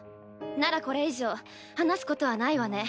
ならこれ以上話すことはないわね。